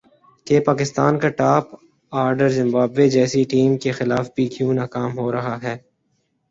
کہ پاکستان کا top order Zimbabwe جیسی ٹیم کے خلاف بھی کیوں ناکام ہو رہا ہے